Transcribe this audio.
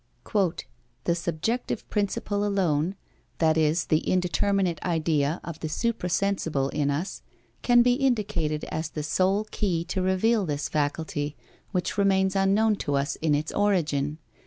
"The subjective principle alone, that is, the indeterminate idea of the suprasensible in us, can be indicated as the sole key to reveal this faculty, which remains unknown to us in its origin.